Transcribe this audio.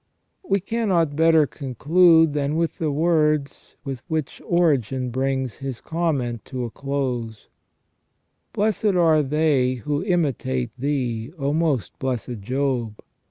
We cannot better conclude than with the words with which Origen brings his Comment to a close :" Blessed are they who imitate thee, O most blessed Job.